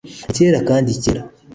ni cyera kandi cyera